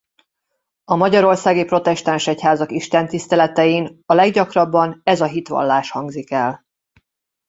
A magyarországi protestáns egyházak istentiszteletein a leggyakrabban ez a hitvallás hangzik el.